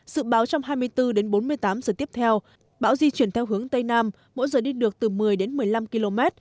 sự báo trong hai mươi bốn đến bốn mươi tám giờ tiếp theo bão di chuyển theo hướng tây nam mỗi giờ đi được từ một mươi đến một mươi năm km